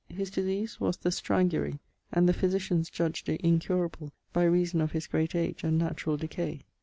His disease was the strangury, and the physitians judged it incurable by reason of his great age and naturall decay.